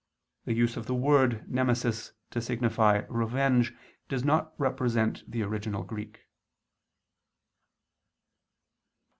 The use of the word "nemesis" to signify "revenge" does not represent the original Greek.